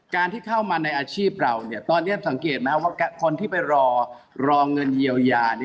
ที่เข้ามาในอาชีพเราตอนนี้สังเกตไหมว่าคนที่ไปรอเงินเยียวยา